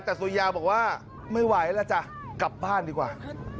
แต่สุริยาบอกว่าไม่ไหวแล้วจ้ะกลับบ้านดีกว่า